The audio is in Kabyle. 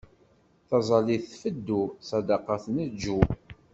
Taẓallit tfeddu, ssadaqa tneǧǧu.